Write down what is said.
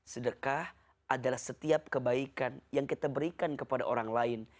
sedekah adalah setiap kebaikan yang kita berikan kepada orang lain